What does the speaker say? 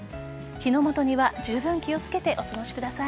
火の元にはじゅうぶん気をつけてお過ごしください。